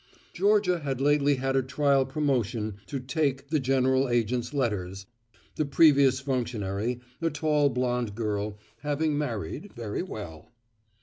Georgia had lately had a trial promotion to "take" the general agent's letters the previous functionary, a tall blonde girl, having married very well.